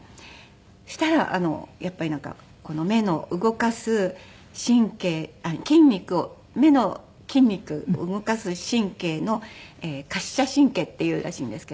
そしたらやっぱりなんか目の動かす神経筋肉を目の筋肉を動かす神経の滑車神経っていうらしいんですけど。